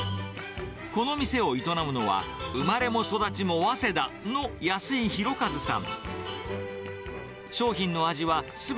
この店を営むのは、生まれも育ちも早稲田の安井ひろかずさん。